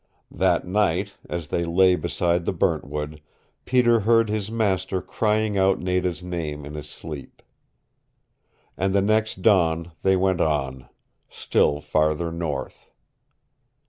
That night, as they lay beside the Burntwood, Peter heard his master crying out Nada's name in his sleep. And the next dawn they went on still farther north.